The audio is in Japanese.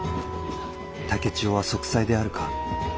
竹千代は息災であるか。